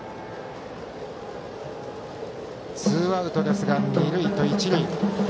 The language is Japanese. ツーアウトですが二塁と一塁。